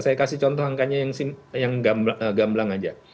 saya kasih contoh angkanya yang gamblang aja